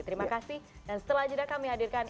terima kasih dan setelah jeda kami hadirkan